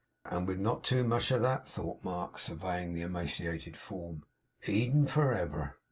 'And with not too much of that,' thought Mark, surveying his emaciated form. 'Eden for ever!